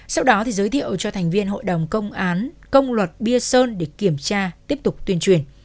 sau đó giới thiệu cho thành viên hội đồng công án công luật bia sơn để kiểm tra tiếp tục tuyên truyền